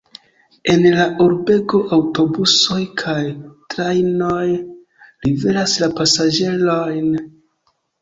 En la urbego aŭtobusoj kaj trajnoj liveras la pasaĝerojn.